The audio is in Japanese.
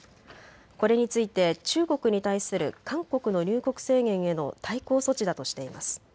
これについて中国に対する韓国の入国制限への対抗措置だとしています。